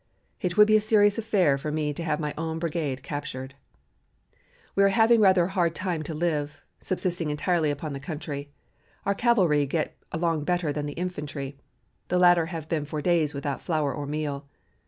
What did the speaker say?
It would be a serious affair for me to have my old brigade captured. "We are having rather a hard time to live, subsisting entirely upon the country. Our cavalry get along better than the infantry; the latter have been for days without flour or meal.